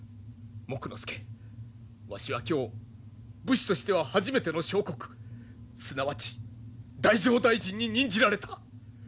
木工助わしは今日武士としては初めての相国すなわち太政大臣に任じられた。